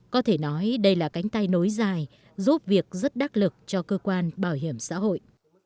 có thể nói đây là cánh tay nối dài giúp việc rất đắc lực cho cơ quan bảo hiểm xã hội